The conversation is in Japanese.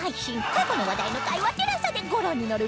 過去の話題の回は ＴＥＬＡＳＡ でご覧になれます